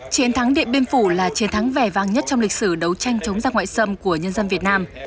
chiến thắng điện biên phủ là chiến thắng vẻ vang nhất trong lịch sử đấu tranh chống ra ngoại xâm của nhân dân việt nam